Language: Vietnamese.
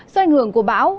do ảnh hưởng của bão